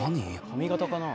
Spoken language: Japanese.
髪型かな？